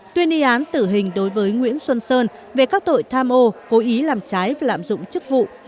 tuyên y án tử hình đối với nguyễn xuân sơn về các tội tham ô cố ý làm trái và lạm dụng chức vụ